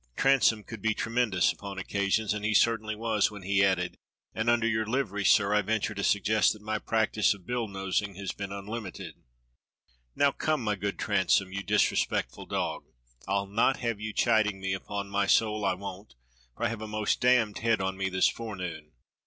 Transome could be tre mendous upon occasions and he certainly was when he added: "And under your livery, sir, I venture to sug gest that my practice of bill nosing has been unlimited." 263 264 DOCTOR SYN "Now, come, my good Transome, you disrespectful dog. I'll not have you chiding me, upon my soul I won't, for I have a most damned head on me this fore noon.